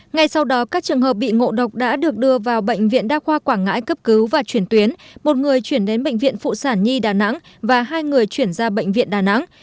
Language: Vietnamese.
ngay sau đó các trường hợp bị ngộ độc đã được đưa vào bệnh viện đa khoa quảng ngãi cấp cứu và chuyển tuyến một người chuyển đến bệnh viện phụ sản nhi đà nẵng và hai người chuyển ra bệnh viện đà nẵng